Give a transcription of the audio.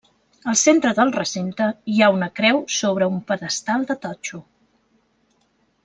Al centre del recinte hi ha una creu sobre un pedestal de totxo.